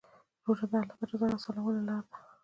روژه د الله د رضا حاصلولو لاره ده.